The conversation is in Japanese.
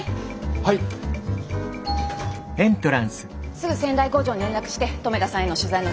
すぐ仙台工場に連絡して留田さんへの取材の打診。